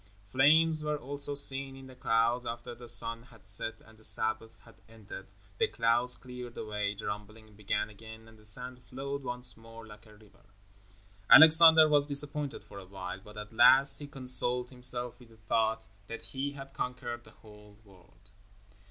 Flames were also seen in the clouds. After the sun had set and the Sabbath had ended, the clouds cleared away, the rumbling began again and the sand flowed once more like a river. Alexander was disappointed for a while, but at last he consoled himself with the thought that he had conquered the whole world.